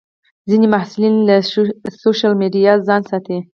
ځینې محصلین له سوشیل میډیا ځان ساتي.